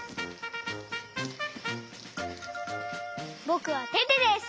ぼくはテテです！